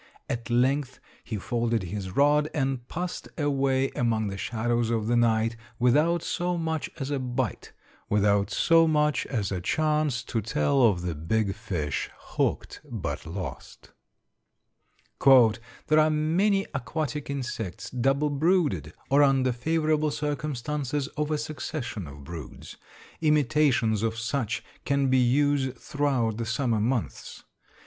At length he folded his rod and passed away among the shadows of the night, without so much as a bite, without so much as a chance to tell of the big fish 'hooked' but lost. "There are many aquatic insects double brooded, or under favorable circumstances, of a succession of broods. Imitations of such can be used throughout the summer months.